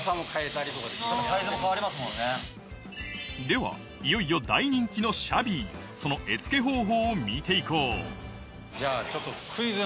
ではいよいよ大人気のシャビーその絵付け方法を見て行こうじゃあ。